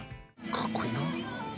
かっこいいな。